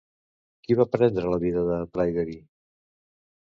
Qui va prendre la vida de Pryderi?